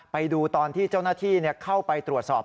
ไปดูตอนที่เจ้าหน้าที่เข้าไปตรวจสอบ